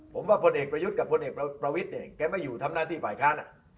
ผมว่าผู้เอกประยุทษ์กับผู้เอกประวิทธิ์แกไม่อยู่ทำหน้าที่ฝ่ายค้าน